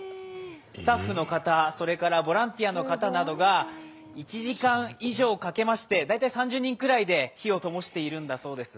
スタッフの方、それからボランティアの方などが１時間以上かけまして大体３０人くらいで火をともしているんだそうです。